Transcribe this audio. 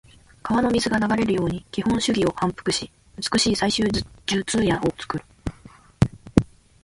川の水が流れるように基本手技を反復し、美しい最終術野を作る。